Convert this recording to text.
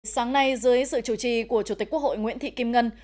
sáng nay dưới sự chủ trì của chủ tịch quốc hội nguyễn thị kim ngân